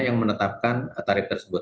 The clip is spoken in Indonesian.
yang menetapkan tarif tersebut